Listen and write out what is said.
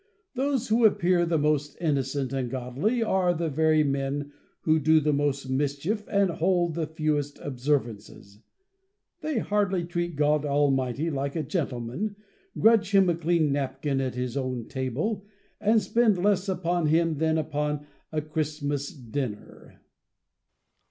Those who appear the most innocent and godly, are the very men who do the most mischief and hold the fewest observances. They hardly treat God Almighty like a gentleman, grudge him a clean napkin at his own table, and spend less upon him than upon a Christmas dinner.